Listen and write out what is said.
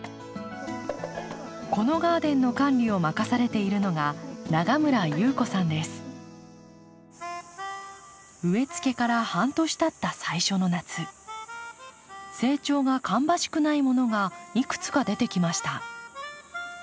このガーデンの管理を任されているのが植えつけから半年たった最初の夏成長が芳しくないものがいくつか出てきました。